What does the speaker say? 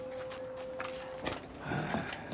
はあ。